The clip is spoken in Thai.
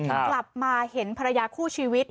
กลับมาเห็นภรรยาคู่ชีวิต